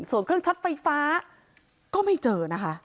ส่วนเครื่องช็อตไฟฟ้าก็ไม่เจอนะคะ